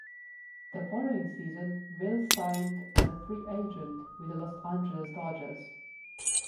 The following season, Mills signed as a free agent with the Los Angeles Dodgers.